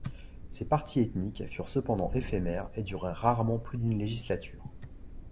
Ces partis ethniques furent cependant éphémères et durèrent rarement plus d'une législature.